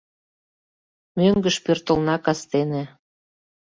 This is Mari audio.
Мӧҥгыш пӧртылна кастене.